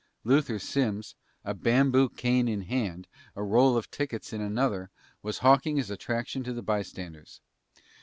Luther Simms, a bamboo cane in one hand, a roll of tickets in another, was hawking his attraction to the bystanders.